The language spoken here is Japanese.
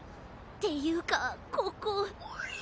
っていうかここ。